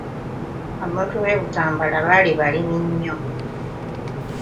Abantu b'e Butambala baali balimi nnyo.